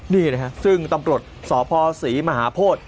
นี่นะครับซึ่งตำรวจสพศรีมหาโพธิ